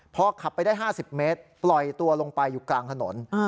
พอขับไปได้๕๐เมตรปล่อยตัวลงไปอยู่กลางถนน